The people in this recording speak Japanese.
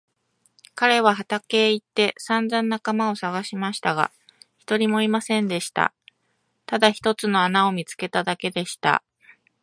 彼は畑へ行ってさんざん仲間をさがしましたが、一人もいませんでした。ただ一つの穴を見つけただけでした。